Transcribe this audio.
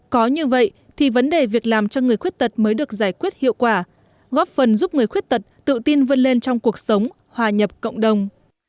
có như vậy thì vấn đề việc làm cho người khuyết tật mới được giải quyết hiệu quả góp phần giúp người khuyết tật tự tin vươn lên trong cuộc sống hòa nhập cộng đồng